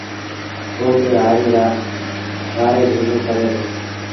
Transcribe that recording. بوه کي هآريٚ وآري ڀيڙو ڪري دو